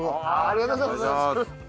ありがとうございます！